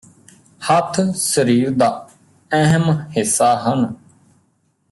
ਹੱਥ ਸਰੀਰ ਦਾ ਅਹਿਮ ਹਿੱਸਾ ਹਨ